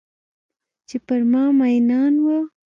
چې پر ما میینان وه